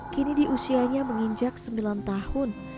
kini di usianya menginjak sembilan tahun